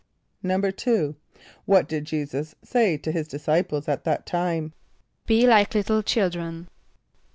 = =2.= What did J[=e]´[s+]us say to his disciples at that time? ="Be like little children."